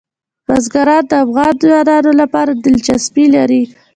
بزګان د افغان ځوانانو لپاره دلچسپي لري.